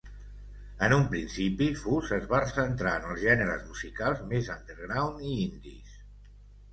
En un principi, Fuse es va centrar en els gèneres musicals més underground i indies.